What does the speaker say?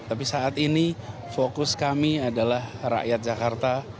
tapi saat ini fokus kami adalah rakyat jakarta